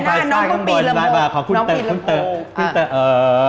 ดายาน่าน้องก็ปีนและโผล่